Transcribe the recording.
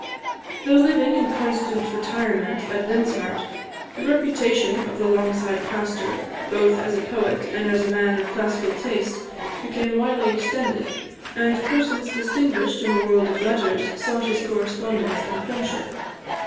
Though living in constant retirement at Linshart, the reputation of the Longside pastor, both as a poet and a man of classical taste, became widely extended, and persons distinguished in the world of letters sought his correspondence and friendship.